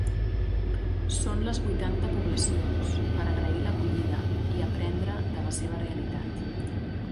Són les vuitanta poblacions per agrair l’acollida i aprendre de la seva realitat.